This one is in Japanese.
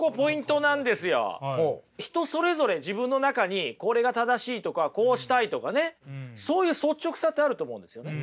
人それぞれ自分の中にこれが正しいとかこうしたいとかねそういう率直さってあると思うんですよね。